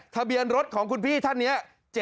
ทะเบียนรถของคุณพี่ท่านนี้